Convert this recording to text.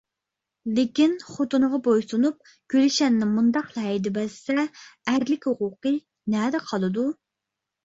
لېكىن خوتۇنىغا بويسۇنۇپ، گۈلشەننى مۇنداقلا ھەيدىۋەتسە ئەرلىك ھوقۇقى نەدە قالىدۇ؟